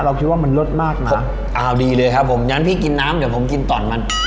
คิดว่ามันรสมากนะอ้าวดีเลยครับผมงั้นพี่กินน้ำเดี๋ยวผมกินต่อนมัน